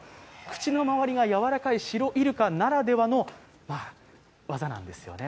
口の周りがやわらかいシロイルカならではの技なんですよね。